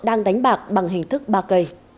đang đánh bạc bằng hình thức bạc